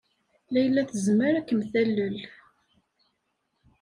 Layla tezmer ad kem-talel.